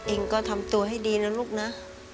เองก็ทำตัวให้ดีนะลูกนะ